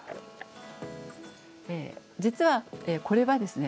実はこれはですね